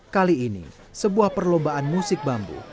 kali ini sebuah perlombaan musik bambu